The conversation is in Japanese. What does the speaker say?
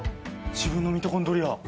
自分のミトコンドリア。